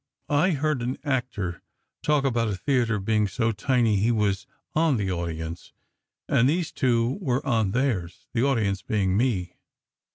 I ve heard an actor talk about a theatre being so tiny he was "on the audience"; and these two were on theirs, the audience being me.